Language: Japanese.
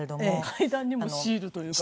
階段にもシールというかね。